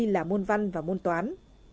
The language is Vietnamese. đây là môn văn và môn toán